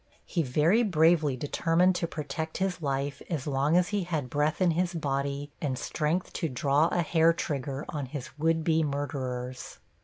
He very bravely determined to protect his life as long as he had breath in his body and strength to draw a hair trigger on his would be murderers.